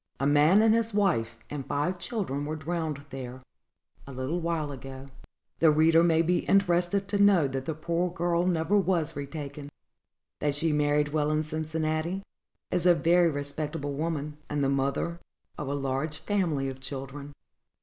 A man and his wife, and five children, were drowned there, a little while ago." The reader may be interested to know that the poor girl never was retaken; that she married well in Cincinnati, is a very respectable woman, and the mother of a large family of children.